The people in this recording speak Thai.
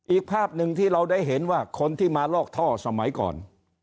อีกภาพหนึ่งที่เราได้เห็นว่าคนที่มาลอกท่อสมัยก่อน